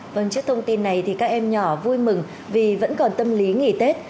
trước thông tin này các em nhỏ vui mừng vì vẫn còn tâm lý nghỉ tết